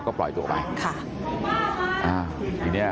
สวัสดีครับคุณผู้ชาย